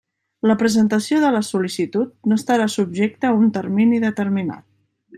La presentació de la sol·licitud no estarà subjecta a un termini determinat.